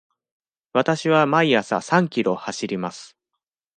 わたしは毎朝三キロ走ります。